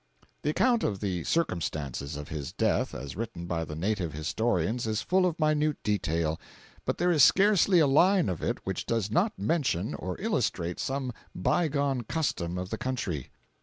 The account of the circumstances of his death, as written by the native historians, is full of minute detail, but there is scarcely a line of it which does not mention or illustrate some by gone custom of the country.